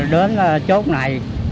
đến chốt này